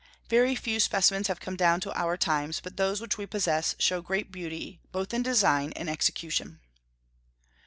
Very few specimens have come down to our times, but those which we possess show great beauty both in design and execution.